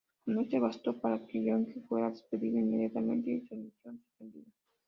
Con esto bastó para que Yonge fuera despedido inmediatamente y su emisión, suspendida.